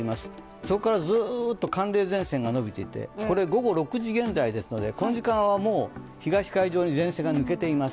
そこからずっと寒冷前線がのびていて、これ午後６時現在ですのでこの時間はもう東海上に前線が抜けています。